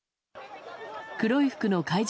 黒い服の会場